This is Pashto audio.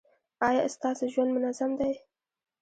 ایا ستاسو ژوند منظم دی؟